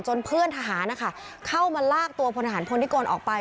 เพื่อนทหารนะคะเข้ามาลากตัวพลทหารพลนิกลออกไป